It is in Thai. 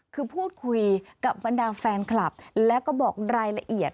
คือพูดคุยกับบรรดาแฟนคลับแล้วก็บอกรายละเอียด